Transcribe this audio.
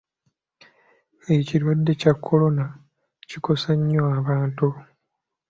Ekirwadde kya Kkolera kikosa nnyo bantu.